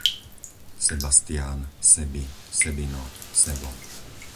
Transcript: Sebastián, Sebi, Sebino, Sebo